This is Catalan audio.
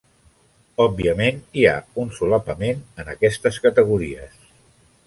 Òbviament hi ha un solapament en aquestes categories.